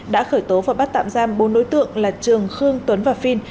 đã khởi tố và bắt tạm giam bốn đối tượng là trường khương tuấn và phiên